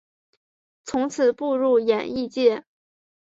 从此步入演艺界。